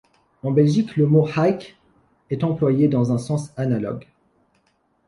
En Belgique le mot hike est employé dans un sens analogue.